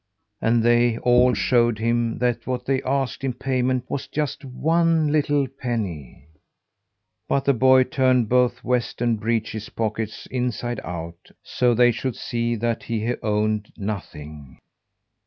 And they all showed him that what they asked in payment was just one little penny. But the boy turned both vest and breeches pockets inside out, so they should see that he owned nothing.